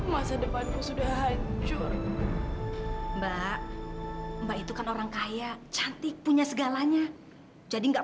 masa depanku sudah hancur mbak mbak itu kan orang kaya cantik punya segalanya jadi enggak